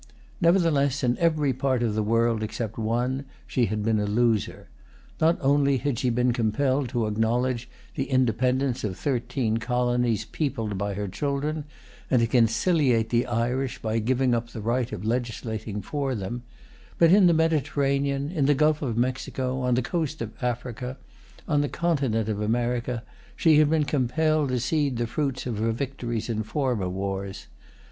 Nevertheless, in every part of the world, except one, she had been a loser. Not only had she been compelled to acknowledge the independence of thirteen colonies peopled by her children, and to conciliate the Irish by giving up the right of legislating for them; but, in the Mediterranean, in the Gulf of Mexico, on the coast of Africa, on the continent of America, she had been compelled to cede the fruits of her victories in former wars.